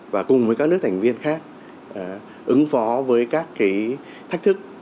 và cùng với các nước thành viên khác ứng phó với các thách thức